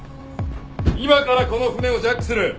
今からこの船をジャックする！